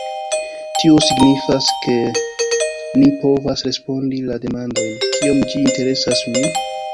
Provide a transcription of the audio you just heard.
Tio signifas, ke ni povas respondi la demandojn: "Kiom ĝi interesas min?